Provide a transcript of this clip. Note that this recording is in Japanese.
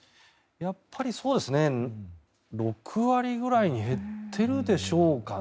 やっぱり６割くらいに減っているでしょうかね。